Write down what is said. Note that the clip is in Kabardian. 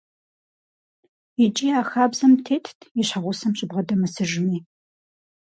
Икӏи а хабзэм тетт и щхьэгъусэм щыбгъэдэмысыжми.